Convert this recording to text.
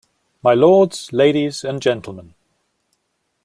My lords, ladies and gentlemen.